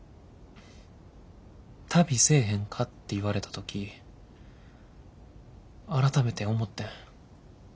旅せえへんかって言われた時改めて思ってん。